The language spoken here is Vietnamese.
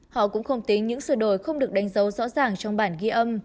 họ cũng không tính những sửa đổi không được đánh dấu rõ ràng trong bản ghi âm